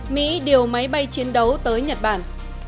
mỹ điều máy bay chiến đấu tới nhật bản